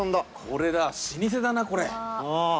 これだ老舗だなこれ。